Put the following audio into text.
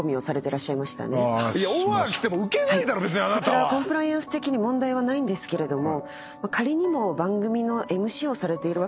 こちらはコンプライアンス的に問題はないんですけれども。